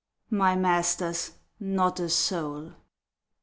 My masters, not a soul!